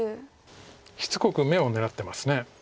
しつこく眼を狙ってます。